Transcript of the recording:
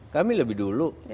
kami lebih dulu